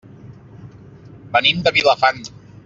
Venim de Vilafant.